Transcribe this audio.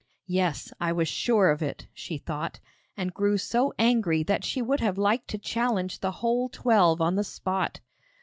'Yes; I was sure of it,' she thought, and grew so angry that she would have liked to challenge the whole twelve on the spot.